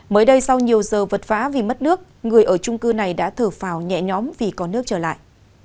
mới đây sau nhiều giờ vật vã vì mất nước người ở trung cư này đã thở phào nhẹ nhóm vì có nước trở lại